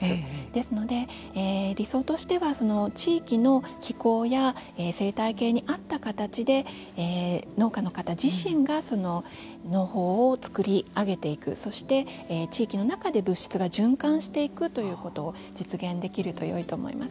ですので、理想としてはその地域の気候や生態系に合った形で農家の方自身がその農法を作り上げていくそして、地域の中で物質が循環していくということを実現できるとよいと思います。